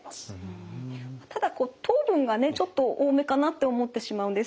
ただこう糖分がねちょっと多めかなって思ってしまうんですけど。